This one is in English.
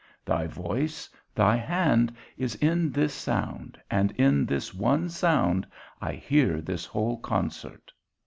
Thy voice, thy hand, is in this sound, and in this one sound I hear this whole concert.